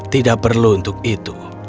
tidak perlu untuk itu